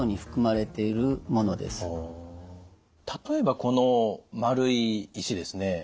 例えばこの丸い石ですね